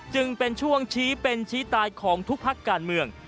จึงเป็นช่วงชี้เป็นชี้ตายของทุกพักการเมือง